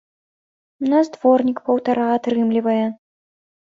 У нас дворнік паўтара атрымлівае.